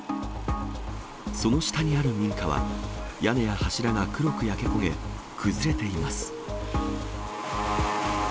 その下にある民家は、屋根や柱が黒く焼け焦げ、崩れています。